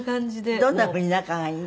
どんなふうに仲がいいの？